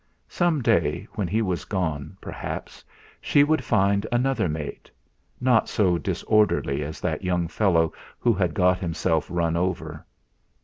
Some day when he was gone, perhaps, she would find another mate not so disorderly as that young fellow who had got himself run over.